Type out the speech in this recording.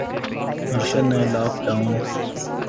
ارشد نے lock down